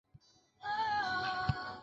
广东壬午乡试。